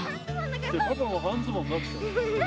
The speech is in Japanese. パパも半ズボンになってた。